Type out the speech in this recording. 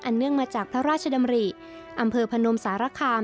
อันเนื่องมาจากพระราชดำริอัมเวอร์พะนมสาระคาม